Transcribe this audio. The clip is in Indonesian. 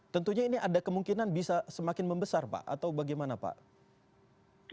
tentunya ini ada kemungkinan bisa semakin membesar pak atau bagaimana pak